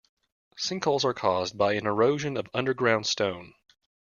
Sinkholes are caused by an erosion of underground stone.